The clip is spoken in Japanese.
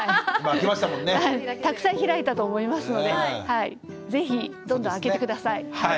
たくさん開いたと思いますので是非どんどん開けて下さい。